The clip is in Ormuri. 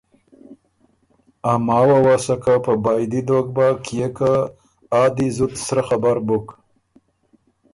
که ا ماوه وه سکه په بائدی دوک بَۀ کيې که آ دی زُت سرۀ خبر بُک